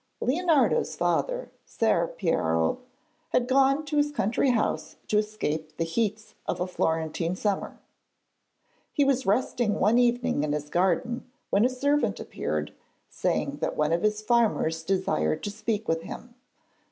Leonardo's father, Ser Piero, had gone to his country house to escape the heats of a Florentine summer. He was resting one evening in his garden when a servant appeared, saying that one of his farmers desired to speak with him.